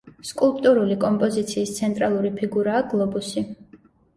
სკულპტურული კომპოზიციის ცენტრალური ფიგურაა გლობუსი.